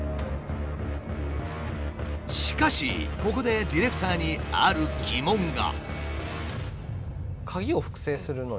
しかしここでディレクターにある疑問が。